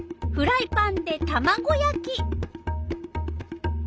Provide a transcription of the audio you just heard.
フライパンでたまご焼き。